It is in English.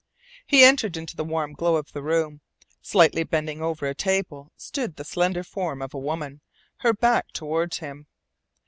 He entered into the warm glow of the room. Slightly bending over a table stood the slender form of a woman, her back toward him.